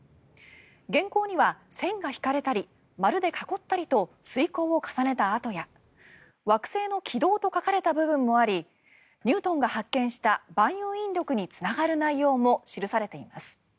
原稿には線が引かれたり丸で囲ったりと推こうを重ねた跡や惑星の軌道と書かれた部分もありニュートンが発見した万有引力につながる内容も記されています。